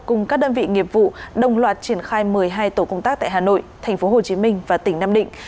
cùng các đơn vị nghiệp vụ đồng loạt triển khai một mươi hai tổ công tác tại hà nội thành phố hồ chí minh và tỉnh nam định